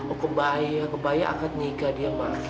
oh kebaya kebaya akan nikah dia mbak